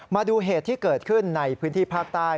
มาดูเหตุที่เกิดขึ้นในพื้นที่ภาคใต้